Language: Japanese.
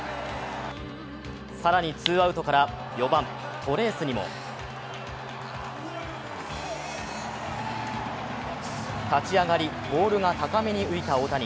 更にツーアウトから４番・トレースにも立ち上がり、ボールが高めに浮いた大谷。